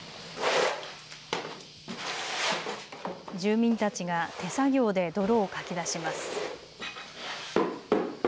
住民たちが手作業で泥をかき出します。